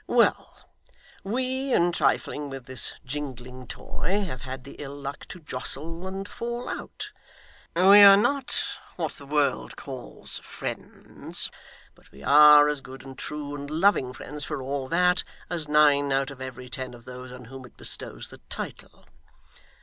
Well; we, in trifling with this jingling toy, have had the ill luck to jostle and fall out. We are not what the world calls friends; but we are as good and true and loving friends for all that, as nine out of every ten of those on whom it bestows the title.